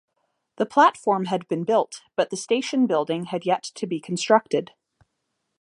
The platform had been built, but the station building had yet to be constructed.